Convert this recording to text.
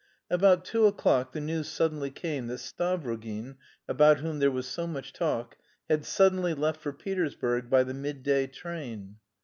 About two o'clock the news suddenly came that Stavrogin, about whom there was so much talk, had suddenly left for Petersburg by the midday train.